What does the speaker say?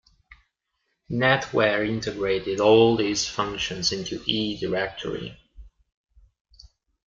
NetWare integrated all these functions into eDirectory.